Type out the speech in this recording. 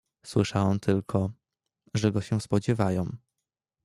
"Słyszałem tylko, że go się spodziewają."